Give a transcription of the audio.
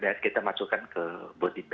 dan kita masukkan ke berbagai jenazah